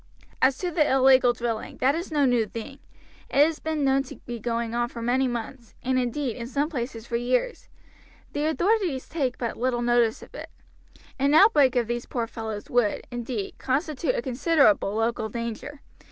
As to the illegal drilling, that is no new thing; it has been known to be going on for many months, and, indeed, in some places for years. The authorities take but little notice of it. An outbreak of these poor fellows would, indeed, constitute a considerable local danger.